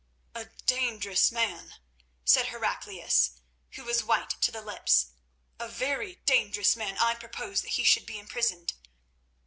"A dangerous man," said Heraclius, who was white to the lips; "a very dangerous man. I propose that he should be imprisoned."